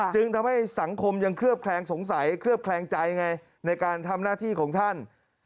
จึงทำให้สังคมยังเคลือบแคลงสงสัยเคลือบแคลงใจไงในการทำหน้าที่ของท่าน